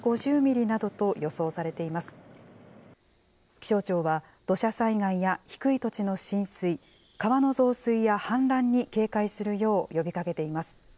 気象庁は土砂災害や低い土地の浸水、川の増水や氾濫に警戒するよう呼びかけています。